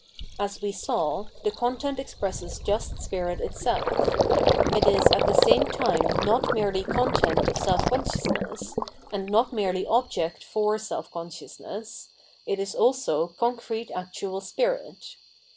As we saw, the content expresses just Spirit itself. It is at the same time not merely content of self consciousness, and not merely object for self consciousness ; it is also concrete actual Spirit.